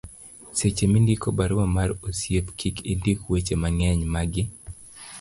seche mindiko barua mar osiep kik indik weche mang'eny magi